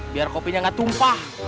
biar kopinya gak tumpah